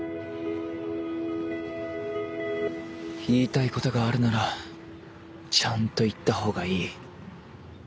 言いたいことがあるならちゃんと言った方がいい。